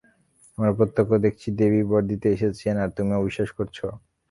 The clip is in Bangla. আমরা প্রত্যক্ষ দেখছি দেবী বর দিতে এসেছেন, আর তুমি অবিশ্বাস করছ?